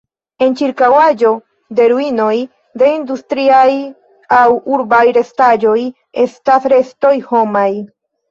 En ĉirkaŭaĵo de ruinoj de industriaj aŭ urbaj restaĵoj estas restoj homaj.